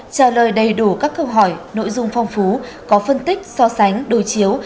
trả lời đầy đủ các câu hỏi nội dung phong phú có phân tích so sánh đối chiếu